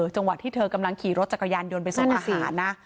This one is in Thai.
จังหวะที่เธอกำลังขี่รถจักรยานยนต์ไปส่งอาหารนะ